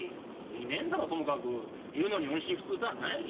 いねえんだらともかくいるのに音信不通とはない。